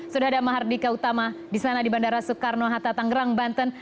sudah ada mahardika utama di sana di bandara soekarno hatta tanggerang banten